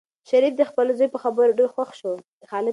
شریف د خپل زوی په خبرو ډېر خوښ شو.